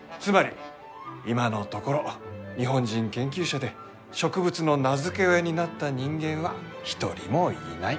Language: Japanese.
今のところ日本人研究者で植物の名付け親になった人間は一人もいない。